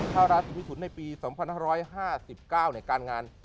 ถ้าราศีพิสุทธิในปี๒๕๕๙การงาน